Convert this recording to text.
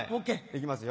いきますよ。